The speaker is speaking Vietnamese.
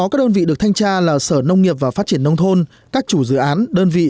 các đơn vị được thanh tra là sở nông nghiệp và phát triển nông thôn các chủ dự án đơn vị